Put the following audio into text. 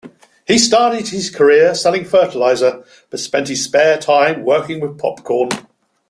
He started his career selling fertilizer, but spent his spare time working with popcorn.